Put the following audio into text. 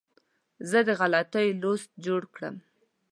زه د غلطیو لیست جوړ کړم.